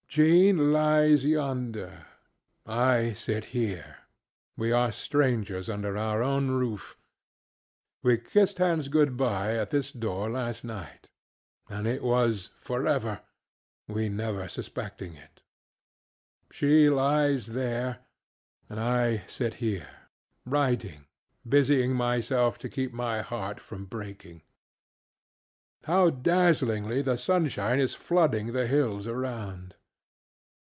Jean lies yonder, I sit here; we are strangers under our own roof; we kissed hands good by at this door last nightŌĆöand it was forever, we never suspecting it. She lies there, and I sit hereŌĆöwriting, busying myself, to keep my heart from breaking. How dazzlingly the sunshine is flooding the hills around!